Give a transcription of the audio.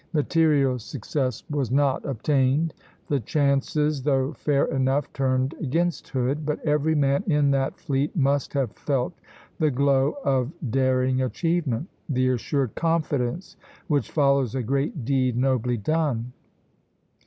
Material success was not obtained. The chances, though fair enough, turned against Hood; but every man in that fleet must have felt the glow of daring achievement, the assured confidence which follows a great deed nobly done.